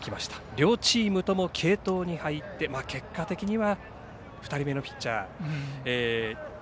両チームとも継投に入って結果的には２人目のピッチャー